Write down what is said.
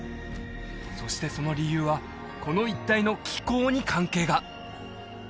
そしてその理由はこの一帯の気候に関係が！